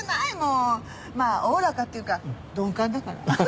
まあおおらかっていうか鈍感だから。